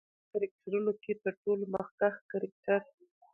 په دې کرکترونو کې تر ټولو مخکښ کرکتر